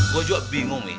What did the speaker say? gue juga bingung mi